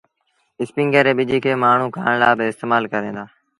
اسپيٚنگر ري ٻج کي مآڻهوٚٚݩ کآڻ لآ با استمآل ڪريݩ دآ۔